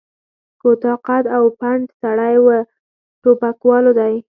کوتاه قد او پنډ سړی و، ټوپکوالو دی.